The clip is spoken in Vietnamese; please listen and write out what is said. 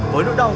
với nỗi đau